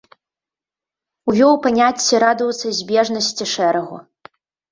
Увёў паняцце радыуса збежнасці шэрагу.